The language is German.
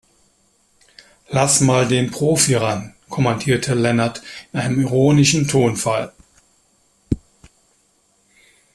Lass mal den Profi ran, kommandierte Lennart in einem ironischen Tonfall.